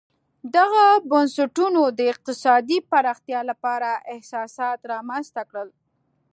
دغو بنسټونو د اقتصادي پراختیا لپاره اساسات رامنځته کړل.